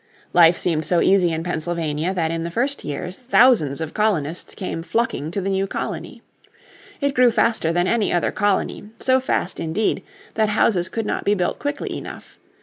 Life seemed so easy in Pennsylvania that in the first years thousands of colonists came flocking to the new colony. It grew faster than any other colony, so fast indeed that houses could not be built quickly enough.